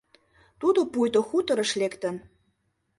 Тудо пуйто хуторыш лектын.